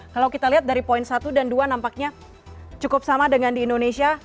kalau kita lihat dari poin satu dan dua nampaknya cukup sama dengan di indonesia